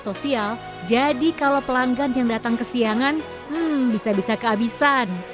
soto ranjau di media sosial jadi kalau pelanggan yang datang kesiangan hmm bisa bisa kehabisan